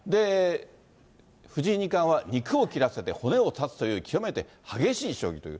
藤井二冠は、肉を切らせて骨を断つという、極めて激しい将棋という。